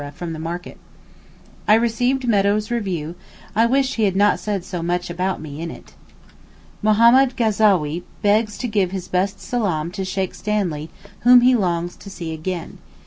from market. I received Meadow's review; I wish he had not said so much about me in it. Mohammed Gazowee begs to give his best Salaam to Sheykh Stanley whom he longs to see again.